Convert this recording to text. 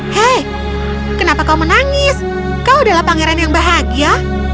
hei kenapa kau menangis kau adalah pangeran yang bahagia